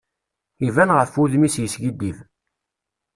Iban ɣef wudem-is yeskiddib.